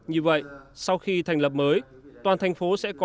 như vậy sau khi thành lập mới toàn thành phố sẽ có năm ba trăm sáu mươi